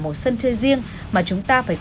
một sân chơi riêng mà chúng ta phải